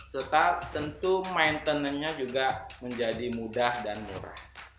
serta tentu maintenance nya juga menjadi mudah dan murah